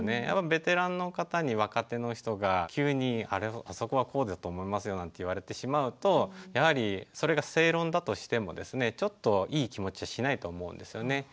やっぱりベテランの方に若手の人が急に「あそこはこうだと思いますよ」なんて言われてしまうとやはりそれが正論だとしてもですねちょっといい気持ちしないと思うんですよね。